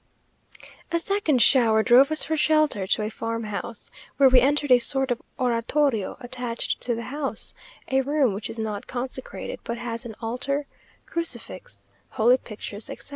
A second shower drove us for shelter to a farmhouse, where we entered a sort of oratorio attached to the house; a room which is not consecrated, but has an altar, crucifix, holy pictures, etc.